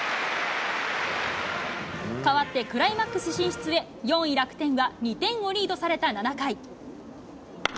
かわって、クライマックス進出へ、４位楽天は２点をリードされた７回。